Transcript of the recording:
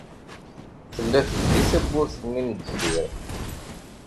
Tella teldi tewwurt-nni n deffir.